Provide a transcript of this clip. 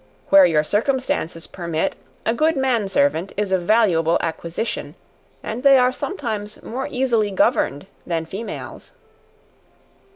Where your circumstances permit, a good man servant is a valuable acquisition; and they are sometimes more easily governed than females.